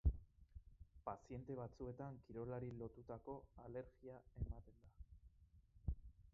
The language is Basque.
Paziente batzuetan kirolari lotutako alergia ematen da.